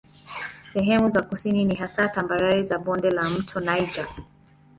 Sehemu za kusini ni hasa tambarare za bonde la mto Niger.